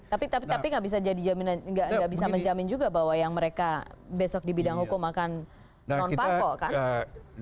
tapi nggak bisa menjamin juga bahwa yang mereka besok di bidang hukum akan non parpol kan